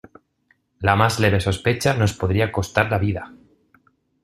la más leve sospecha nos podría costar la vida.